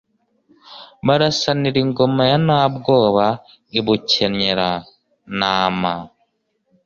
Barasanira ingoma ya Ntabwoba i Bukenyera-ntama,